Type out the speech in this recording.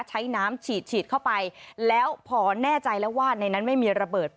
ใช้น้ำฉีดฉีดเข้าไปแล้วพอแน่ใจแล้วว่าในนั้นไม่มีระเบิด